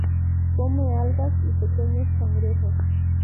Come algas y pequeños cangrejos.